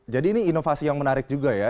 jadi ini inovasi yang menarik juga ya